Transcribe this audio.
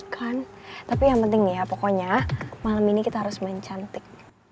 kan tapi yang penting ya pokoknya malam ini kita harus mencantik